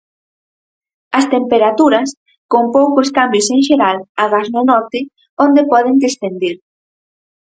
As temperaturas, con poucos cambios en xeral, agás no norte, onde poden descender.